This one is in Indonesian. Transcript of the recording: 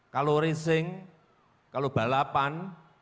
kalau racing kalau balapan